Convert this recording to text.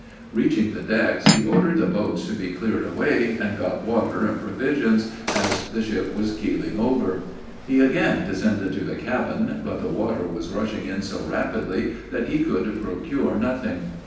Reaching the decks, he ordered the boats to be cleared away, and get water and provisions, as the ship was keeling over. He again descended to the cabin, but the water was rushing in so rapidly that he could procure nothing.